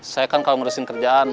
saya kan kalau ngurusin kerjaan